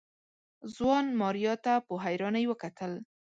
ځوان ماريا ته په حيرانۍ وکتل.